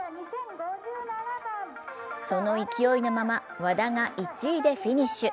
その勢いのまま、和田が１位でフィニッシュ。